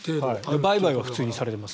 売買は普通にされています。